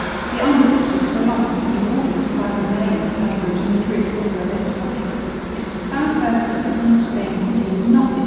The armistice was prolonged, in order that Father Neyen might go to Madrid for further instructions. It was found, however, that the King of Spain would yield nothing.